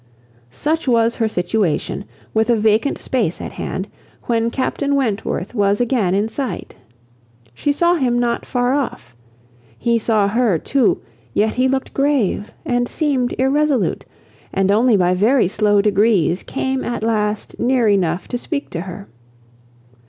Such was her situation, with a vacant space at hand, when Captain Wentworth was again in sight. She saw him not far off. He saw her too; yet he looked grave, and seemed irresolute, and only by very slow degrees came at last near enough to speak to her.